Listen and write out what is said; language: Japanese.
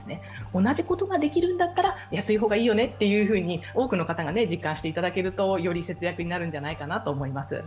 同じことができるんだったら安い方がいいよねというふうに多くの人が実感していただけるとより節約になるんじゃないかなと思います。